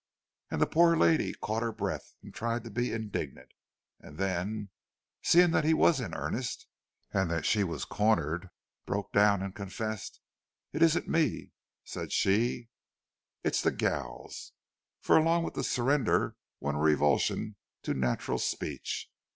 And the poor lady caught her breath, and tried to be indignant; and then, seeing that he was in earnest, and that she was cornered, broke down and confessed. "It isn't me," she said, "it's the gals." (For along with the surrender went a reversion to natural speech.)